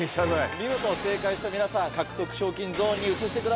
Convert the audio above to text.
見事正解した皆さん獲得賞金ゾーンに移してください。